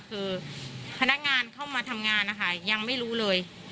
คือพนักงานเข้ามาทำงานนะคะยังไม่รู้เลย